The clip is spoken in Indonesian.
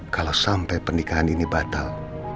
kalau sampai pernikahan ini batal